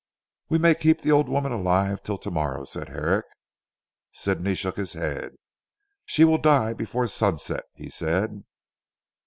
"We may keep the old woman alive till to morrow," said Herrick. Sidney shook his head. "She will die before sunset," he said.